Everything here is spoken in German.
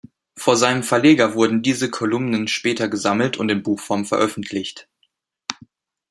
Von seinem Verleger wurden diese Kolumnen später gesammelt in Buchform veröffentlicht.